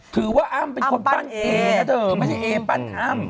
อ้ำเป็นคนปั้นเอนะเธอไม่ใช่เอปั้นอ้ำ